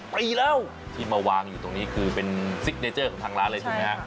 ปีแล้วที่มาวางอยู่ตรงนี้คือเป็นซิกเนเจอร์ของทางร้านเลยถูกไหมฮะ